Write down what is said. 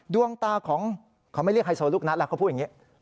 ดวงตาของเขาไม่เรียกไฮโซลูกนัดแล้วเขาพูดอย่างนี้